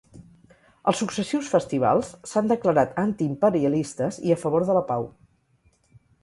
Els successius festivals s'han declarat antiimperialistes i a favor de la pau.